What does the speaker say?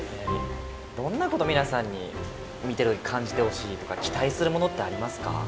どんなこと皆さんに見て感じてほしいとか期待するものってありますか？